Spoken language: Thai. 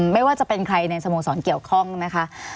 ไม่ว่าจะเป็นใครในสโมสรเกี่ยวข้องนะคะ